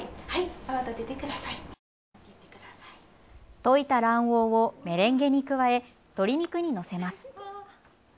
溶いた卵黄をメレンゲに加え鶏肉にのせます。